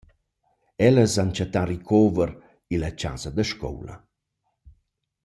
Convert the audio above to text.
Ellas han chattà ricover illa chasa da scoula.